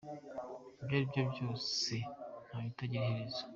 Ibyo ari byo byose, nta bitagira iherezo.